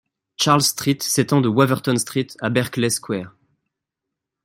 Charles Street s'étend de Waverton Street à Berkeley Square.